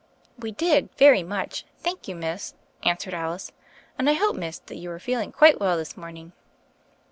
"We did, very much, thank you, Miss," answered Alice; "and I hope, Miss, that you arc feeling quite well this morning?